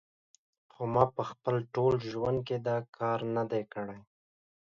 خو ما په خپل ټول ژوند کې دا کار نه دی کړی